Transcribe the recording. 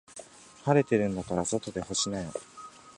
晴れてるんだから外で干しなよ。